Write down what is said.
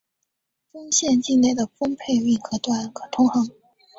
丰县境内的丰沛运河段可通航。